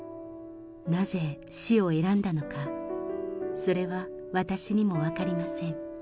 なぜ死を選んだのか、それは私にも分かりません。